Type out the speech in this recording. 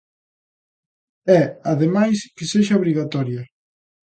E, ademais, que sexa obrigatoria.